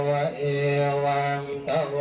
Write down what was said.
เพื่อได้เป็นมนตร์คน